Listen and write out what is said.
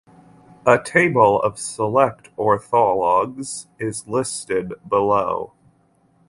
A table of select orthologs is listed below.